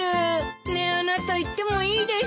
ねえあなた行ってもいいでしょう？